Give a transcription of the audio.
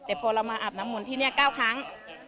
แต่พอเรามาอาบน้ำมนต์ที่นี่๙ครั้ง